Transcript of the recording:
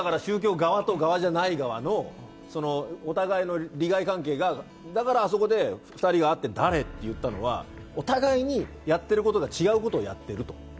宗教側と宗教側じゃない側のお互い利害関係がだからあそこで２人が会って「誰？」って言ったのは、お互いにやってることが違うことをやってると。